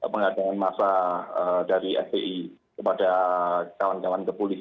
pengadangan massa dari fpi kepada kawan kawan kepulis